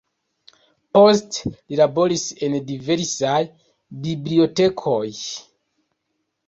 Poste li laboris en diversaj bibliotekoj.